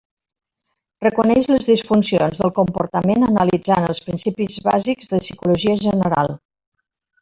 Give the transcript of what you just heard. Reconeix les disfuncions del comportament analitzant els principis bàsics de psicologia general.